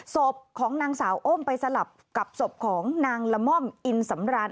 ศพของนางสาวอ้มไปสลับกับศพของนางละม่อมอินสำราน